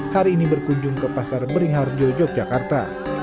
hari ini berkunjung ke pasar beringharjo yogyakarta